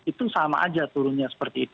itu sama aja turunnya